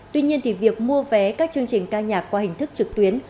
tuy nhiên thì việc mua vé các chương trình ca nhạc qua hình thức trực tuyến